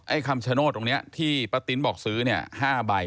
ไอ้คำชโนธตรงนี้ที่ป้าติ๋วบอกซื้อ๕ใบ